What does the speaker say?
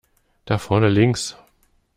Da vorne links!